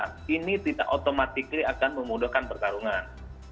kita otomatis akan memudahkan pertarungan